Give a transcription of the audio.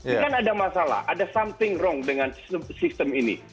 dengan ada masalah ada something wrong dengan sistem ini